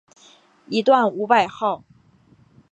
一段五百号